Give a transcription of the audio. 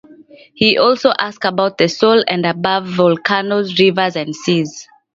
He also asks about the soul; and about volcanoes, rivers, and seas.